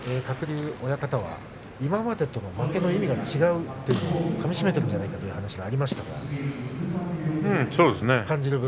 鶴竜親方は今までと負けの意味が違うということをかみしめているんじゃないかという話がありました。